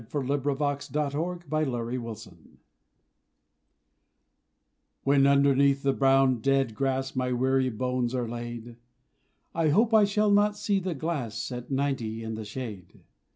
When Underneath the Brown Dead Grass When underneath the brown dead grass My weary bones are laid, I hope I shall not see the glass At ninety in the shade.